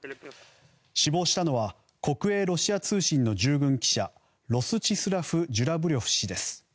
死亡したのは国営ロシア通信の従軍記者ロスチスラフ・ジュラブリョフ氏です。